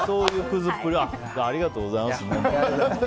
ありがとうございます。